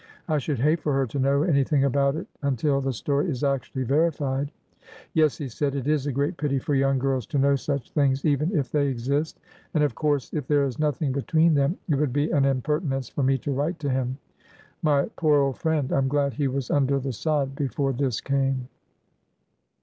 I should hate for her to know any thing about it until the story is actually verified." Yes," he said, it is a great pity for young girls to know such things — even if they exist. And, of course, if there is nothing between them it would be an imperti nence for me to write to him. ... My poor old friend! I 'm glad he was under the sod before this came